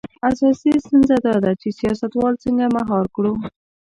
اساسي ستونزه دا ده چې سیاستوال څنګه مهار کړو.